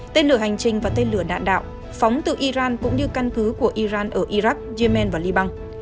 tên lửa hành trình và tên lửa đạn đạo phóng từ iran cũng như căn cứ của iran ở iraq yemen và liban